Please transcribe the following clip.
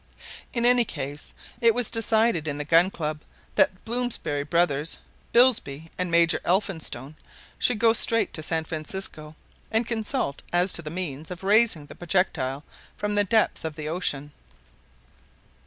In any case, it was decided in the Gun Club that Blomsberry brothers, Bilsby, and Major Elphinstone should go straight to San Francisco, and consult as to the means of raising the projectile from the depths of the ocean.